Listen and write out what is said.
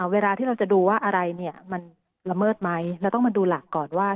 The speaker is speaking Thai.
เวลาที่เราจะดูว่าอะไรเนี่ยมันละเมิดไหมเราต้องมาดูหลักก่อนว่า